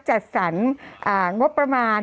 จัดสรรงบประมาณ